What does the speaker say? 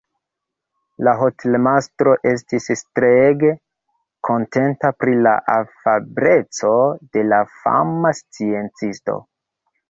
La hotelmastro estis treege kontenta pri la afableco de la fama sciencisto.